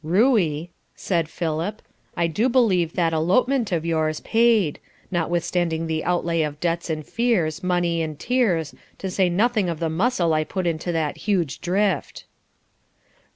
"Ruey," said Philip, "I do believe that 'elopement' of yours paid, notwithstanding the outlay of doubts and fears, money and tears, to say nothing of the muscle I put into that huge drift."